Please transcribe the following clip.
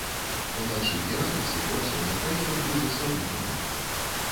Уначы і раніцай у асобных раёнах будзе слабы туман.